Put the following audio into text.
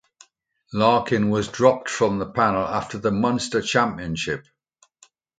Larkin was dropped from the panel after the Munster Championship.